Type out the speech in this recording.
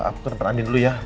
ma aku ke tempat anden dulu ya